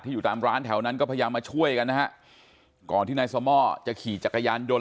อยู่ตามร้านแถวนั้นก็พยายามมาช่วยกันนะฮะก่อนที่นายสม่อจะขี่จักรยานยนต์